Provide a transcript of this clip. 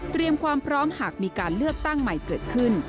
ความพร้อมหากมีการเลือกตั้งใหม่เกิดขึ้น